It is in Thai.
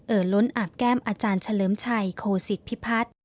ล้นอาบแก้มอาจารย์เฉลิมชัยโคสิตพิพัฒน์